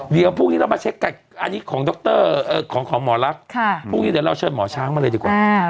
เดี๋ยวพรุ่งนี้เรามาเช็คอันนี้ของมอลักษณ์พรุ่งนี้เราเชิญหมอช้างมาเลยดีกว่า